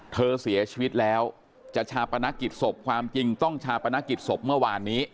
เสียชีวิตแล้วจะชาปนกิจศพความจริงต้องชาปนกิจศพเมื่อวานนี้